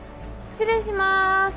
失礼します。